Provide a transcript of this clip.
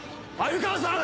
鮎川さん！